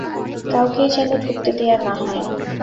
কাউকেই যেন ঢুকতে দেয়া না হয়।